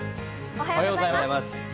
おはようございます。